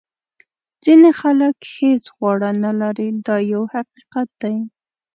ځینې خلک هیڅ خواړه نه لري دا یو حقیقت دی.